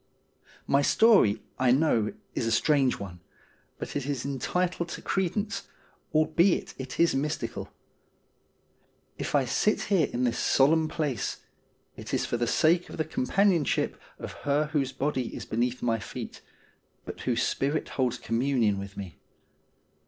My story, I know, is a strange one, but it is entitled to credence, albeit it is mystical. If I sit here in this solemn place it is for the sake of the companionship of her whose body is beneath my feet, but whose spirit holds communion with me.